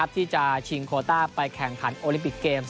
ที่จะชิงโคต้าไปแข่งขันโอลิมปิกเกมส์